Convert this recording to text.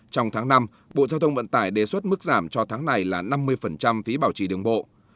trong tháng năm bộ giao thông vận tải đề xuất mức giảm cho tháng này là năm mươi phí bảo trì đường bộ